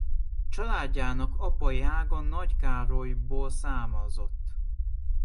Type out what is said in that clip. Családjának apai ága Nagykárolyból származott.